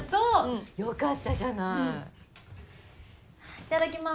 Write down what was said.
いただきます。